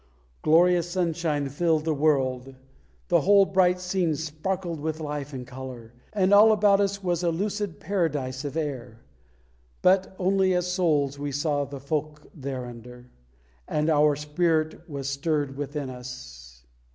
Glorious sunshine filled the world, the whole bright scene sparkled with life and colour, and all about us was a "lucid paradise of air." But "only as souls we saw the folk thereunder," and our spirit was stirred within us.